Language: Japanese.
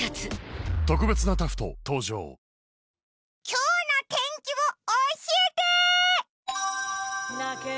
今日の天気を教えて。